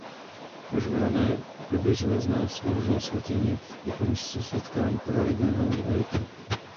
Už v rané době železné sloužila svatyně jako místo setkání pro regionální elity.